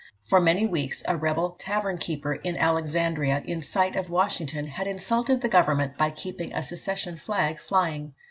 For many weeks, a rebel tavern keeper in Alexandria, in sight of Washington, had insulted the Government by keeping a secession flag flying.